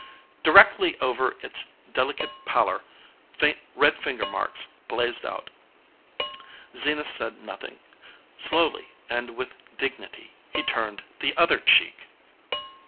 Directly over its delicate pallor red finger marks blazed out. Zenas said nothing. Slowly and with dignity he turned the other cheek.